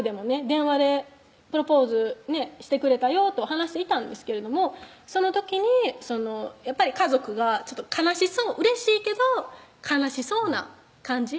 電話で「プロポーズしてくれたよ」とは話していたんですけれどもその時にやっぱり家族がちょっと悲しそううれしいけど悲しそうな感じ